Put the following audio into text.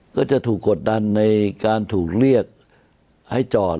ก็จะถูกกดดันในการถูกเรียกให้จอด